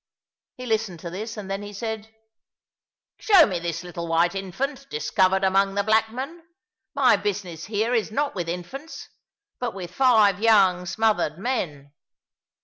He listened to this, and then he said, "Show me this little white infant discovered among the black men. My business here is not with infants, but with five young smothered men.